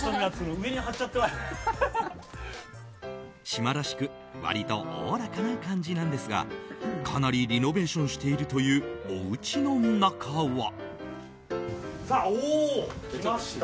島らしく、割とおおらかな感じなんですがかなりリノベーションしているというおうちの中は。